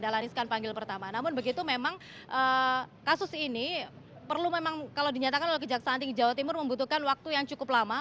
dahlan iskan panggil pertama namun begitu memang kasus ini perlu memang kalau dinyatakan oleh kejaksaan tinggi jawa timur membutuhkan waktu yang cukup lama